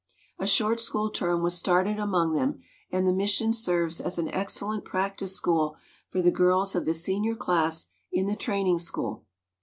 A short school term was started among them, and the mission serves as an excellent practice school for the girls of the senior class in the Training School.